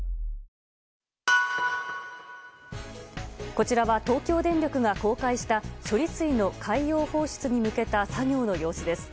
こちらは東京電力が公開した処理水の海洋放出に向けた作業の様子です。